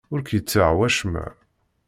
Ur k-yettaɣ wacemma.